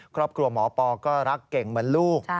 ครอบครัวหมอปอก็รักเก่งเหมือนลูก